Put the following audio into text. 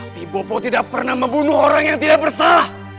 tapi bopo tidak pernah membunuh orang yang tidak bersalah